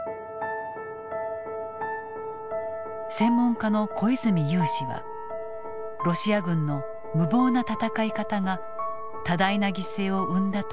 専門家の小泉悠氏はロシア軍の無謀な戦い方が多大な犠牲を生んだと見ている。